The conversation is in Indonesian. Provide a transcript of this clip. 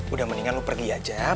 udah mendingan lo pergi aja ya